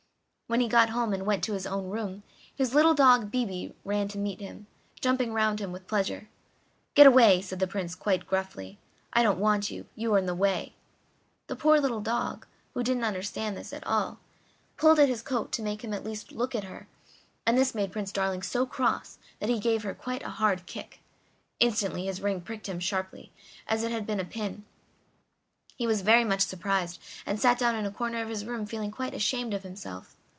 When he got home and went to his own room, his little dog Bibi ran to meet him, jumping round him with pleasure. "Get away!" said the Prince, quite gruffly. "I don't want you, you are in the way." The poor little dog, who didn't understand this at all, pulled at his coat to make him at least look at her, and this made Prince Darling so cross that he gave her quite a hard kick. Instantly his ring pricked him sharply, as if it had been a pin. He was very much surprised, and sat down in a corner of his room feeling quite ashamed of himself.